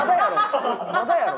まだやろ。